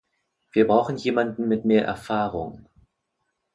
Wir brauchen jemanden mit mehr Erfahrung.